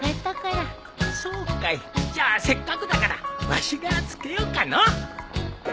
そうかいじゃあせっかくだからわしが付けようかのう。